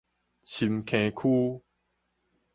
深坑區